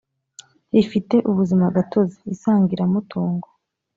rifite ubuzima gatozi isangiramutungo